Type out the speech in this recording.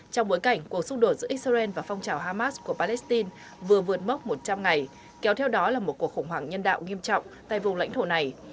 trong bối cảnh cuộc xúc đổ giữa israel và phong trào hamas của palestine vừa vượt mốc một trăm linh ngày kéo theo đó là một cuộc khủng hoảng nhân đạo nghiêm trọng tại vùng lãnh thổ này